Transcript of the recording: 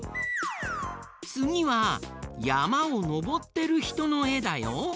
つぎはやまをのぼってるひとのえだよ。